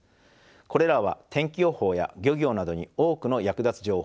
これらは天気予報や漁業などに多くの役立つ情報を提供しております。